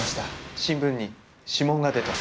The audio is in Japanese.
新聞に「指紋が出た」と。